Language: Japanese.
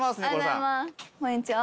こんにちは。